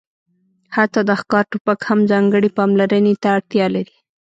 حتی د ښکار ټوپک هم ځانګړې پاملرنې ته اړتیا لري